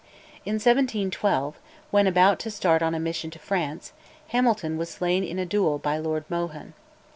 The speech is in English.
In 1712, when about to start on a mission to France, Hamilton was slain in a duel by Lord Mohun.